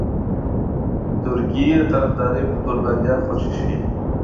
د ترکیې د طرفدارۍ په تور بنديان خوشي شي.